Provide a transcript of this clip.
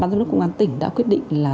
bàn giám đốc công an tỉnh đã quyết định